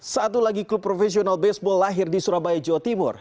satu lagi klub profesional baseball lahir di surabaya jawa timur